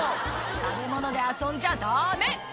食べ物で遊んじゃダメ！